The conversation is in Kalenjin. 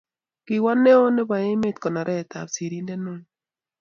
Kiwo neo nebo emet koneret ab sirindet neo